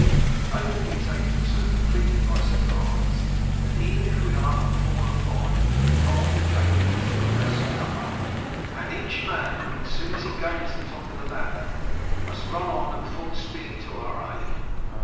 They will be taken so completely by surprise that, even if we are but four or five, we can hold the gate until the rest come up, and each man, as soon as he gains the top of the ladder, must run on at full speed to our aid.